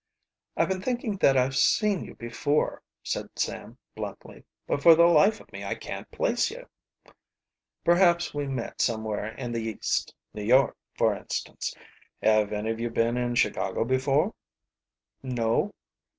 "I've been thinking that I've seen you before," said Sam bluntly. "But for the life of me I can't place you." "Perhaps we've met somewhere in the East New York, for instance. Have any of you been in Chicago before?" "No."